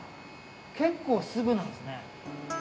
結構すぐなんですね